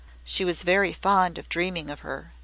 She was very fond of dreaming of her.